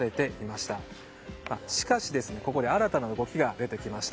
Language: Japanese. しかし、ここで新たな動きが出てきました。